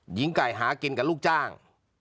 หญิงไก่หากินกับลูกจ้าง